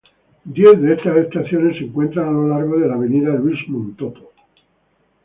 Diez de estas estaciones se encuentran a lo largo de la avenida Luis Montoto.